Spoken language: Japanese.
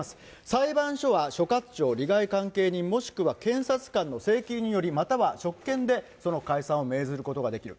裁判所は所轄庁、利害関係人、もしくは検察官の請求により、または職権でその解散を命ずることができる。